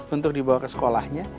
untuk dibawa ke sekolahnya